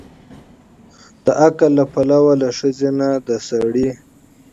د عقل له پلوه له ښځې نه د سړي